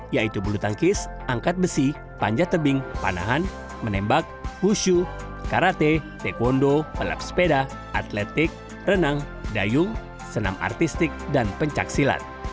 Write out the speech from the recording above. yaitu bulu tangkis angkat besi panjat tebing panahan menembak husyu karate taekwondo pelap sepeda atletik renang dayung senam artistik dan pencaksilat